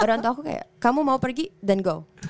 orang tua kayak kamu mau pergi then go